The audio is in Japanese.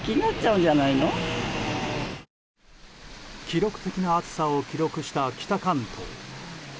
記録的な暑さを記録した北関東。